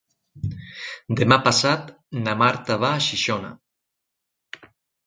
Demà passat na Marta va a Xixona.